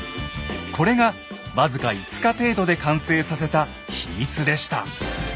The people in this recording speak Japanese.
これが僅か５日程度で完成させた秘密でした。